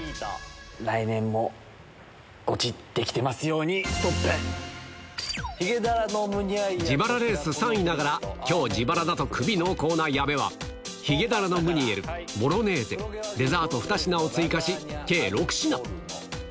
来年もゴチできてますように自腹レース３位ながら、きょう、自腹だとクビ濃厚な矢部は、ヒゲダラのムニエル、ボロネーゼ、デザート２品を追加し、計６品。